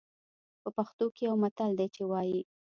په پښتو کې يو متل دی چې وايي.